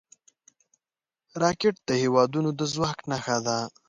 راکټ د هیوادونو د ځواک نښه ده